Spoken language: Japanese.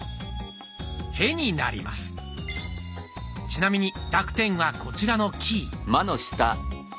ちなみに濁点はこちらのキー。